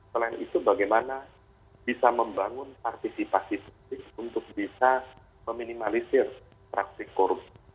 selain itu bagaimana bisa membangun partisipasi publik untuk bisa meminimalisir praktik korupsi